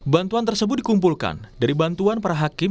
bantuan tersebut dikumpulkan dari bantuan para hakim